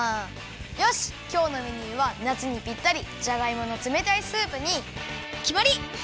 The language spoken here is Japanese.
よしきょうのメニューはなつにぴったりじゃがいものつめたいスープにきまり！